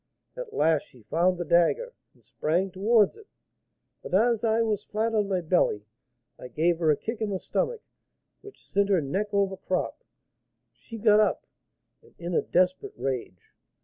At last she found the dagger and sprung towards it, but as I was flat on my belly I gave her a kick in the stomach, which sent her neck over crop; she got up, and in a desperate rage.